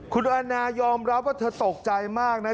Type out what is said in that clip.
คุณอาณายอมรับว่าเธอตกใจมากนะ